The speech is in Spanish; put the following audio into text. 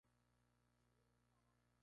Es la versión deportiva.